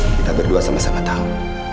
kita berdua sama sama tahu